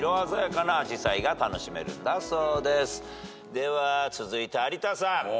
では続いて有田さん。